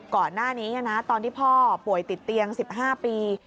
ก่อนหน้านี้ตอนที่พ่อป่วยติดเตียง๑๕ปี